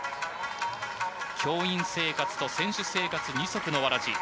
教員生活と選手生活、二足のわらじ。